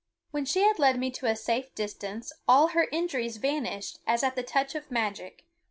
When she had led me to a safe distance all her injuries vanished as at the touch of magic.